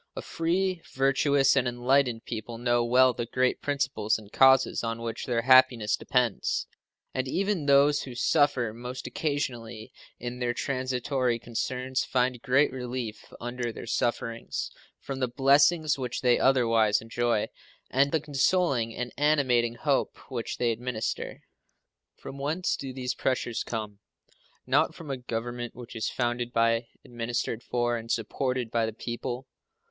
A free, virtuous, and enlightened people know well the great principles and causes on which their happiness depends, and even those who suffer most occasionally in their transitory concerns find great relief under their sufferings from the blessings which they otherwise enjoy and in the consoling and animating hope which they administer. From whence do these pressures come? Not from a Government which is founded by, administered for, and supported by the people.